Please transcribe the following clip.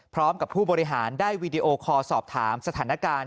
ผู้บริหารได้วีดีโอคอลสอบถามสถานการณ์